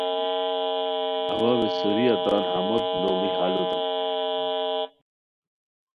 اوا وے سوریہ تان ہموت لوڑی ہال ہوتام